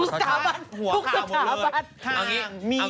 ทุกสถาบัติ